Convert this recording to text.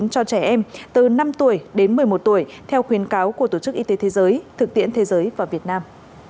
cho trẻ em từ năm tuổi đến một mươi một tuổi theo khuyến cáo của tổ chức y tế thế giới thực tiễn thế giới và việt nam